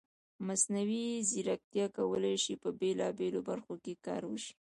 مصنوعي ځیرکتیا کولی شي په بېلابېلو برخو کې کار وشي.